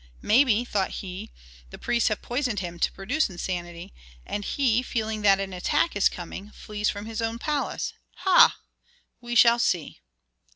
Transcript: "Maybe," thought he, "the priests have poisoned him to produce insanity; and he, feeling that an attack is coming, flees from his own palace? Ha! we shall see!"